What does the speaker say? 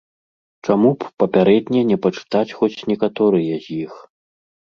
Чаму б папярэдне не пачытаць хоць некаторыя з іх?